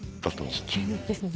危険ですね。